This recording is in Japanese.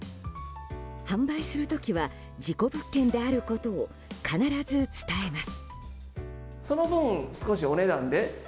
販売する時は事故物件であることを必ず伝えます。